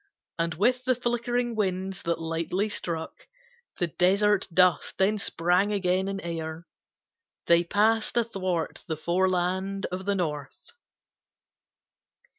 And with the flickering winds, that lightly struck The desert dust, then sprang again in air, They passed athwart the foreland of the north.